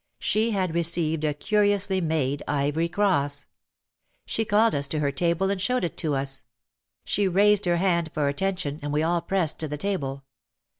She had re ceived a curiously made ivory cross. She called us to her table and showed it to us. She raised her hand for attention and we all pressed to the table.